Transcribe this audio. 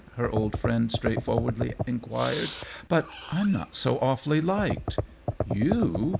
her old friend straightforwardly inquired. " But I'm not so awfully liked." "You?"